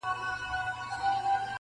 که په اوړي په سفر به څوک وتله.